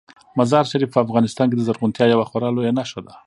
مزارشریف په افغانستان کې د زرغونتیا یوه خورا لویه نښه ده.